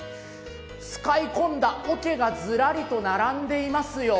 使い込んだおけがずらりと並んでいますよ。